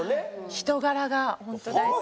人柄がホント大好き。